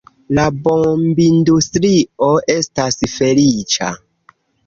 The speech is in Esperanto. La bombindustrio estas feliĉa.